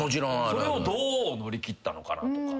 それをどう乗り切ったのかなとか。